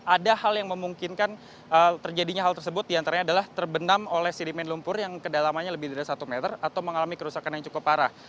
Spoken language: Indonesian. ada hal yang memungkinkan terjadinya hal tersebut diantaranya adalah terbenam oleh sedimen lumpur yang kedalamannya lebih dari satu meter atau mengalami kerusakan yang cukup parah